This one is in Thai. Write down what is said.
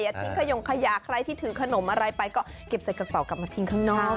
ทิ้งขยงขยะใครที่ถือขนมอะไรไปก็เก็บใส่กระเป๋ากลับมาทิ้งข้างนอก